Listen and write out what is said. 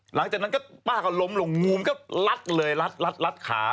หลังจากนั้นก็ป้าก็ล้มลงงูมันก็ลัดเลยรัดขา